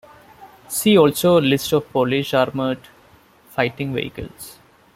See also list of Polish armoured fighting vehicles.